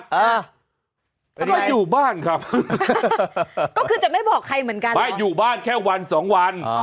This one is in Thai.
แต่ว่าอยู่บ้านครับก็คือจะไม่บอกใครเหมือนกันว่าอยู่บ้านแค่วันสองวัน